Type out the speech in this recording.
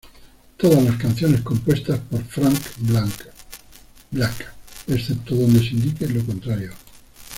Todas las canciones compuestas por Frank Black, excepto donde se indique lo contrario.